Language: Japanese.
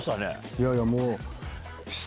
いやいやもう。